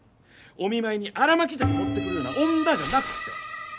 お見舞いに新巻鮭持ってくるような女じゃなくて。